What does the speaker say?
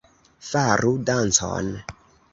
Faru dancon